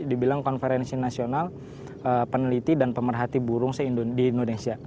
dibilang konferensi nasional peneliti dan pemerhati burung di indonesia